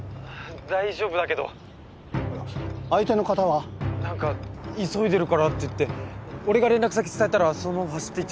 「大丈夫だけど」相手の方は？なんか急いでるからって言って俺が連絡先伝えたらそのまま走っていっちゃって。